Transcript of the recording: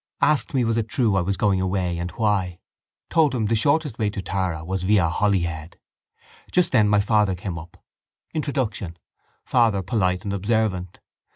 Asked me was it true I was going away and why. Told him the shortest way to Tara was via Holyhead. Just then my father came up. Introduction. Father polite and observant.